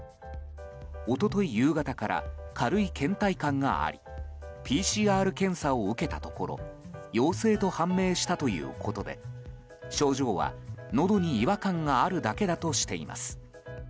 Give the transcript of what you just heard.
一昨日夕方から軽い倦怠感がありＰＣＲ検査を受けたところ陽性と判明したということで症状はのどに違和感があるだけだとしています。